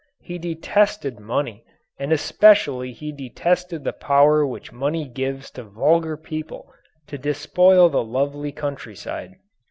He detested money and especially he detested the power which money gives to vulgar people to despoil the lovely countryside.